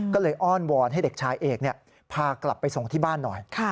ก็เลยอ้อนวอนให้เด็กชายเอกพากลับไปส่งที่บ้านหน่อย